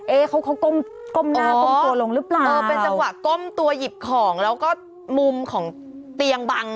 เขาเขาก้มก้มหน้าก้มตัวลงหรือเปล่าเออเป็นจังหวะก้มตัวหยิบของแล้วก็มุมของเตียงบัง